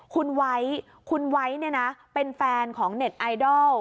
คุณไว้คุณไว้เนี่ยนะเป็นแฟนของเน็ตไอดอล